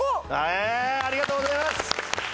ありがとうございます！